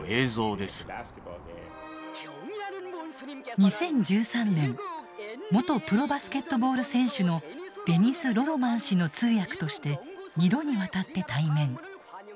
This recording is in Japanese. ２０１３年元プロバスケットボール選手のデニス・ロドマン氏の通訳として２度にわたって対面。